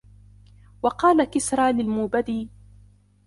وَقَالَ كِسْرَى لِلْمُوبَدِ